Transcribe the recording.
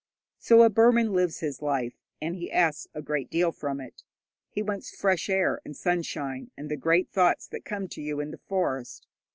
So a Burman lives his life, and he asks a great deal from it. He wants fresh air and sunshine, and the great thoughts that come to you in the forest.